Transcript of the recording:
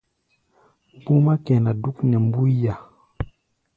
Búmá kɛná dúk nɛ mbúía.